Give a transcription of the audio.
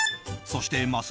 そして、ます